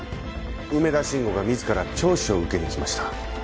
梅田信吾が自ら聴取を受けに来ました。